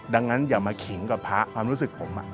ดังนั้นอย่ามาขิงกับพระความรู้สึกผม